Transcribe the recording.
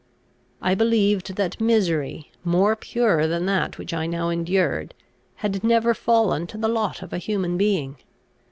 I believed that misery, more pure than that which I now endured, had never fallen to the lot of a human being.